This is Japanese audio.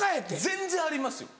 全然ありますよ。